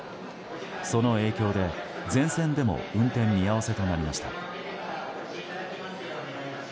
その影響で、全線でも運転見合わせとなりました。